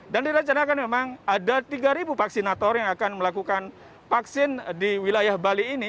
dan dirancangkan memang ada tiga vaksinator yang akan melakukan vaksin di wilayah bali ini